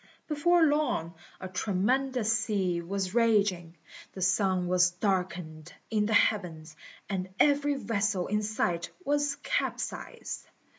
Before long a tremendous sea was raging, the sun was darkened in the heavens, and every vessel in sight was capsized.